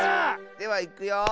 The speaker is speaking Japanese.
ではいくよ。